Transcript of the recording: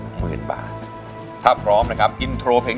ทั้งในเรื่องของการทำงานเคยทำนานแล้วเกิดปัญหาน้อย